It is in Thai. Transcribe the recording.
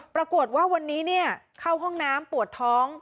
ปรากฏว่าวันนี้เข้าห้องน้ำปวดท้อง